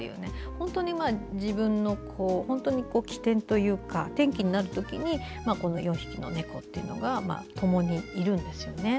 本当に自分の起点というか転機になる時に４匹の猫というのが共にいるんですよね。